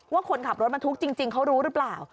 ว่าคนขับรถบรรทุกจริงเขารู้หรือเปล่า